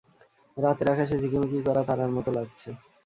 রাতের আকাশে ঝিকিমিকি করা তারার মতো লাগছে!